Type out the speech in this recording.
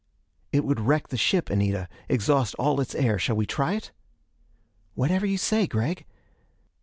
"It would wreck the ship, Anita, exhaust all its air. Shall we try it?" "Whatever you say, Gregg."